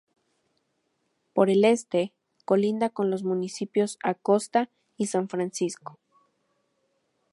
Por el Este, colinda con los Municipios Acosta y San Francisco.